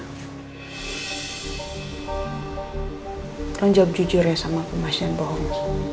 kalo jawab jujur ya sama aku mas jangan bohong